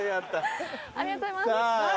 ありがとうございます。